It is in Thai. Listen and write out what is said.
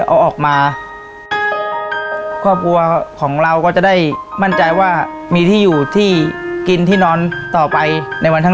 เอาออกมาครอบครัวของเราก็จะได้มั่นใจว่ามีที่อยู่ที่กินที่นอนต่อไปในวันข้าง